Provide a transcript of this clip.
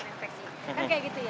kan kayak gitu ya